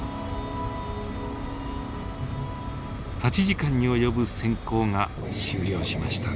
８時間に及ぶ潜行が終了しました。